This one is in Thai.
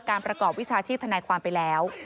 ประกอบวิชาชีพธนายความไปแล้ว